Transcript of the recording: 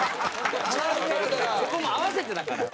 そこも合わせてだから。